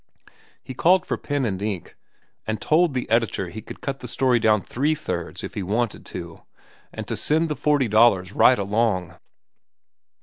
He called for pen and ink, and told the editor he could cut the story down three thirds if he wanted to, and to send the forty dollars right along.